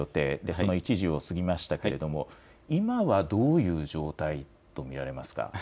その１時を過ぎましたけれど今はどういう状態と見られますか。